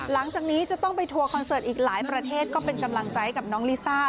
หลังจากนี้จะต้องไปทัวร์คอนเสิร์ตอีกหลายประเทศก็เป็นกำลังใจให้กับน้องลิซ่า